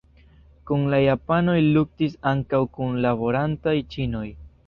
Kun la japanoj luktis ankaŭ kunlaborantaj ĉinoj.